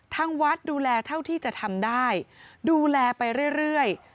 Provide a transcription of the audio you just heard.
ทางวัดดูแลเท่าที่จะทำได้ดูแลไปเรื่อย